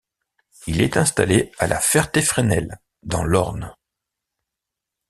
Il est installé à La Ferté-Frênel dans l'Orne.